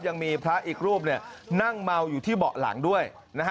ยังมีพระอิสรุ่งเนี่ยนั่งเมาอยู่ที่เบาะหลังด้วย